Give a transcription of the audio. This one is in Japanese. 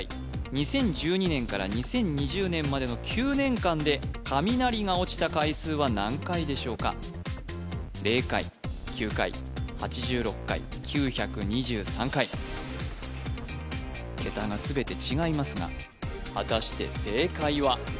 ２０１２年から２０２０年までの９年間で雷が落ちた回数は何回でしょうか０回９回８６回９２３回桁が全て違いますが果たして正解は？